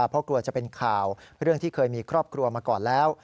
เพราะกลัวจะเป็นข่าวเรื่องที่เคยมีครอบครัวมาก่อนแล้ว